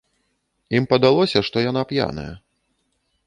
Ім падалося, што яна п'яная.